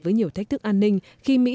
với nhiều thách thức an ninh khi mỹ